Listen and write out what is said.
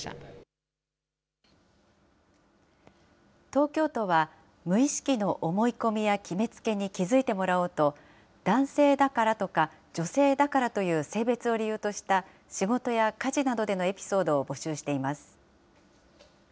東京都は、無意識の思い込みや決めつけに気付いてもらおうと、男性だからとか、女性だからという性別を理由とした仕事や家事などでのエピソードを募集しています。